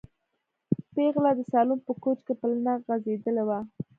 پېغله د سالون په کوچ کې پلنه غځېدلې وه.